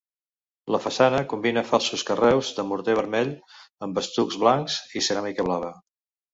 La façana combina falsos carreus de morter vermell, amb estucs blancs i ceràmica blava.